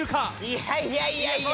いやいやいやいや！